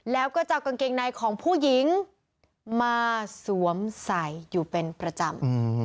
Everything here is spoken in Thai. แล้วก็จะเอากางเกงในของผู้หญิงมาสวมใส่อยู่เป็นประจำ